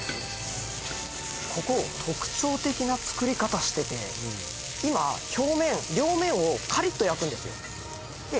ここ特徴的な作り方してて今表面両面をカリッと焼くんですよで